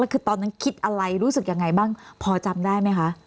คือตอนนั้นคิดอะไรรู้สึกยังไงบ้างพอจำได้ไหมคะ